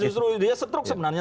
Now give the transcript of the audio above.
justru dia setruk sebenarnya